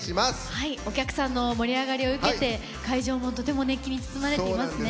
はいお客さんの盛り上がりを受けて会場もとても熱気に包まれていますね。